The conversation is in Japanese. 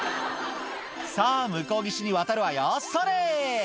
「さぁ向こう岸に渡るわよそれ」